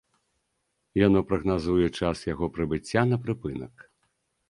Яно прагназуе час яго прыбыцця на прыпынак.